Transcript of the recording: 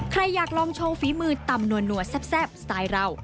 ใครอยากลองชมฝีมือตำหนัวแซ่บสไตล์เรา